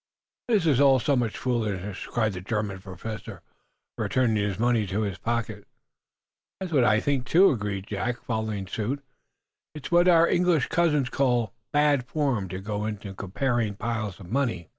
"Ach! This is all so much foolishness!" cried the German Professor, returning his money to his pocket. "That's what I think, too," agreed Jack, following suit. "It's what our English cousins call 'bad form,' to go to comparing piles of money."